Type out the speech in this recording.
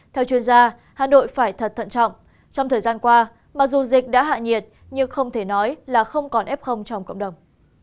theo chuyên gia hà nội phải thật thận trọng trong thời gian qua mặc dù dịch đã hạ nhiệt nhưng không thể nói là không còn f trong cộng đồng